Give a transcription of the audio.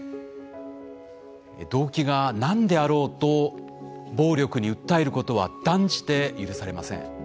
動機がなんであろうと暴力に訴えることは、断じて許されません。